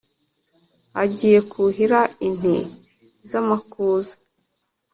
Agiye kuhira inti z'amakuza.